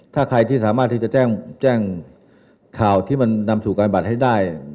ถ้าใครที่สามารถที่จะแจ้งข่าวที่มันนำสู่การบัตรให้ได้